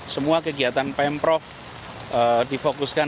semua kegiatan pemprov difokuskan